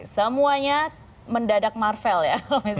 semuanya mendadak marvel ya